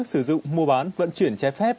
sử dụng mua bán vận chuyển trái phép